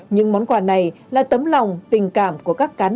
nhưng món quà này là tấm lòng tình cảm của các gia đình